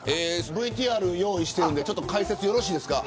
ＶＴＲ用意しているんで解説よろしいですか。